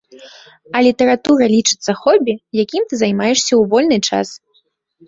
А літаратура лічыцца хобі, якім ты займаешся ў вольны час.